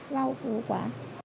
rau củ quả